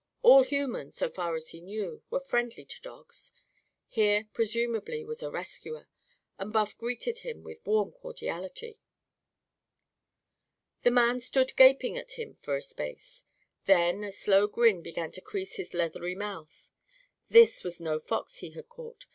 All humans, so far as he knew, were friendly to dogs. Here, presumably, was a rescuer. And Buff greeted him with warm cordiality. The man stood gaping at him for a space. Then a slow grin began to crease his leathery mouth. This was no fox he had caught.